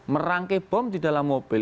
merangkai bom di dalam mobil